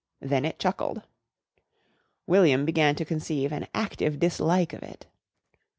Then it chuckled. William began to conceive an active dislike of it.